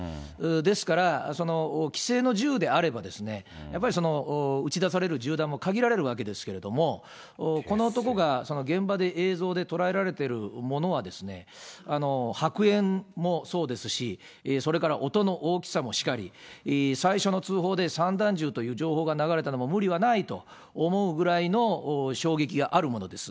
ですから、既製の銃であれば、やっぱり撃ち出される銃弾も限られるわけですけれども、この男が現場で、映像で捉えられているものは、白煙もそうですし、それから音の大きさもしかり、最初の通報で散弾銃という情報が流れたのも無理はないと思うぐらいの衝撃があるものです。